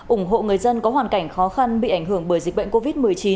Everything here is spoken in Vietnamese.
ủng hộ người dân có hoàn cảnh khó khăn bị ảnh hưởng bởi dịch bệnh covid một mươi chín